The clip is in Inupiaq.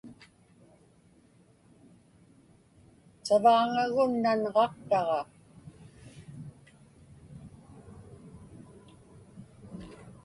Savaaŋagun nanġaqtaġa.